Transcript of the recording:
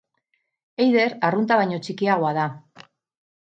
Eider arrunta baino txikiagoa da.